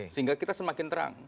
sehingga kita semakin terang